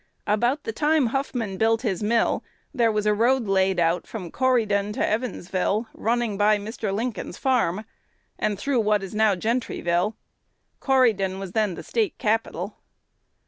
"About the time Huffman built his mill, there was a road laid out from Corydon to Evansville, running by Mr. Lincoln's farm, and through what is now Gentryville. Corydon was then the State capital.